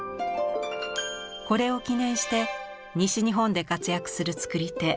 これを記念して西日本で活躍する作り手